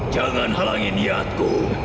jangan halangi niatku